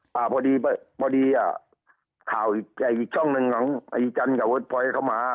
พอดีพอดีอ่ะข่าวอีกช่องหนึ่งของไอ้จันทร์กับเวิร์ดฟอยเข้ามา